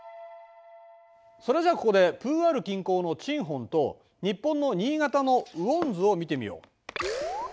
それじゃあここでプーアール近郊のチンホンと日本の新潟の雨温図を見てみよう。